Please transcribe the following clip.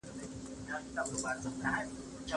دا جملې د نیلسن منډېلا د رښتیني شخصیت ښکارندويي کوي.